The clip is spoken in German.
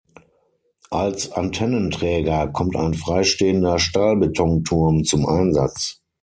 Als Antennenträger kommt ein freistehender Stahlbetonturm zum Einsatz.